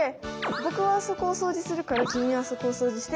僕はそこを掃除するから君はそこを掃除して」。